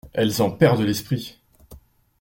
Elles en perdent l'esprit.